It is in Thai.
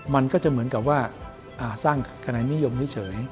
มันก็จะเหมือนกับว่าสร้างขนายนิยมนี่เฉย